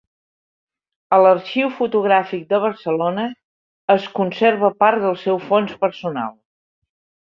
A l'Arxiu Fotogràfic de Barcelona es conserva part del seu fons personal.